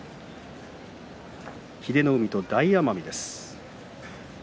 英乃海と大奄美です。